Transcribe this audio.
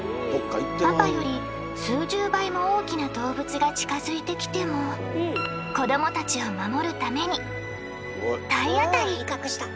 パパより数十倍も大きな動物が近づいてきても子どもたちを守るために体当たり！